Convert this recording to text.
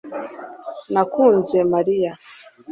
nakunze mariya